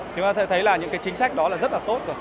thì chúng ta thấy là những cái chính sách đó là rất là tốt